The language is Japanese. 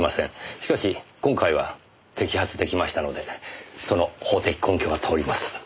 しかし今回は摘発出来ましたのでその法的根拠が通ります。